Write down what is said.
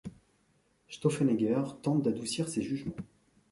Stauffennegger tente d’adoucir ces jugements.